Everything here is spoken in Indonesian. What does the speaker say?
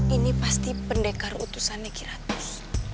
ini pasti pendekar utusan negi ratus